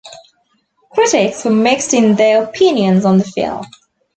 Critics were mixed in their opinions on the film.